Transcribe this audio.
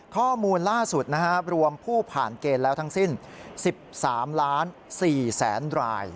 ข้อมูลล่าสุดรวมผู้ผ่านเกณฑ์แล้วทั้งสิ้น๑๓๔๐๐๐๐๐ดร